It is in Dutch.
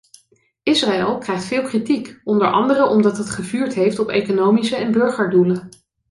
Israël krijgt veel kritiek, onder andere omdat het gevuurd heeft op economische en burgerdoelen.